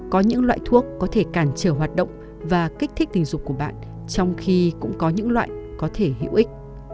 có những loại thuốc có thể cản trở hoạt động và kích thích tình dục của bạn trong khi cũng có những loại có thể hữu ích